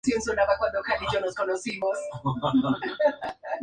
El campeonato fue una lucha cerrada entre Necaxa, Asturias y Atlante.